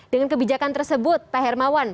dengan kebijakan tersebut pak hermawan